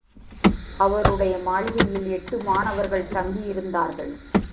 அவருடைய மாளிகையில் எட்டு மாணவர்கள் தங்கியிருந்தார்கள்.